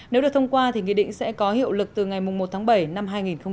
nếu được thông qua thì nghị định sẽ có hiệu lực từ ngày một tháng bảy năm hai nghìn hai mươi